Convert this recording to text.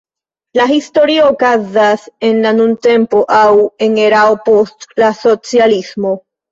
La historio okazas en la nuntempo, aŭ en erao post la socialismo.